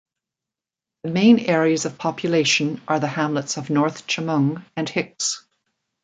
The main areas of population are the hamlets of North Chemung and Hicks.